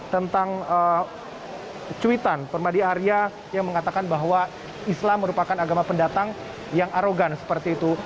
dua ribu dua puluh satu tentang cuitan permadi arya yang mengatakan bahwa islam merupakan agama pendatang yang arogan seperti itu